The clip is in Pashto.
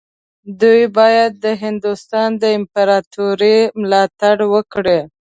دوی باید د هندوستان د امپراطورۍ ملاتړ وکړي.